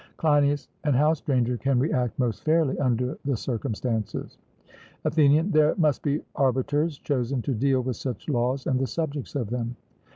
CLEINIAS: And how, Stranger, can we act most fairly under the circumstances? ATHENIAN: There must be arbiters chosen to deal with such laws and the subjects of them.